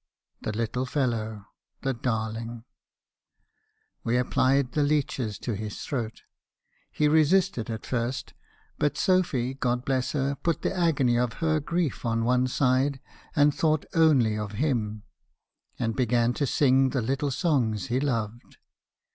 The little fellow ! the darling ! "We applied the leeches to his throat. He resisted at first; but Sophy, God bless her> put the agony of her grief on one side, and thought only of him, and began to sing the little songs he loved.